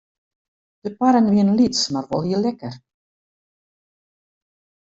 De parren wienen lyts mar wol heel lekker.